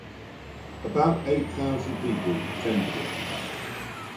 About eight thousand people attended it.